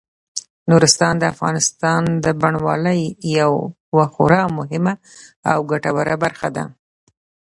نورستان د افغانستان د بڼوالۍ یوه خورا مهمه او ګټوره برخه ده.